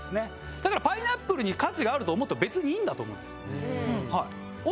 だからパイナップルに価値があると思っても別にいいんだと思うんです。